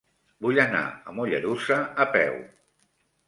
Vull anar a Mollerussa a peu.